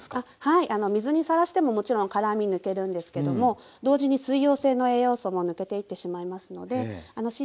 はい水にさらしてももちろん辛み抜けるんですけども同時に水溶性の栄養素も抜けていってしまいますので新